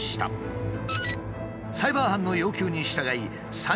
サイバー犯の要求に従いあれ？